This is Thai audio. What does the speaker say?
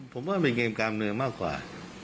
ผมว่าเป็นเกมการเมืองมากกว่า